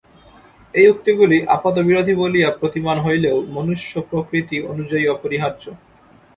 এই উক্তিগুলি আপাতবিরোধী বলিয়া প্রতীয়মান হইলেও মনুষ্য-প্রকৃতি অনুযায়ী অপরিহার্য।